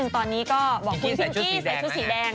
ตอนนี้ก็บอกคุณพิงกี้ใส่ชุดสีแดง